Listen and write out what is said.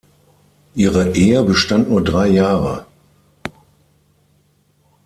Ihre Ehe bestand nur drei Jahre.